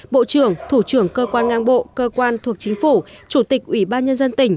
bộ trưởng thủ trưởng cơ quan ngang bộ cơ quan thuộc chính phủ chủ tịch ủy ban nhân dân tỉnh